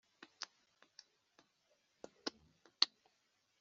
kurinda igihugu cyangwa umutekano w’igihugu